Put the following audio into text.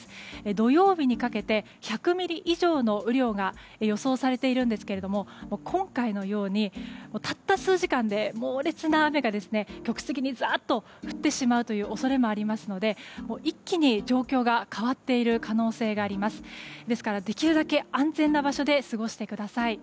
土曜日にかけて１００ミリ以上の雨量が予想されているんですが今回のようにたった数時間で猛烈な雨が局地的にザッと降ってしまう恐れもありますので一気に状況が変わっている可能性がありますのでできるだけ安全な場所で過ごしてください。